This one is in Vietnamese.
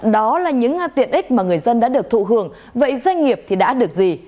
đó là những tiện ích mà người dân đã được thụ hưởng vậy doanh nghiệp thì đã được gì